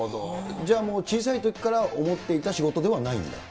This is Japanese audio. じゃあ、もう小さいときから思っていた仕事ではないんだ？